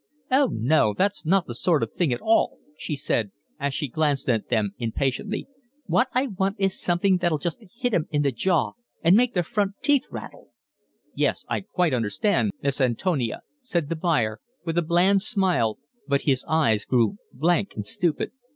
"Oh no, that's not the sort of thing at all," she said, as she glanced at them impatiently. "What I want is something that'll just hit 'em in the jaw and make their front teeth rattle." "Yes, I quite understand, Miss Antonia," said the buyer, with a bland smile, but his eyes grew blank and stupid.